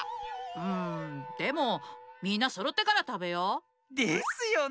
んでもみんなそろってからたべよう。ですよね。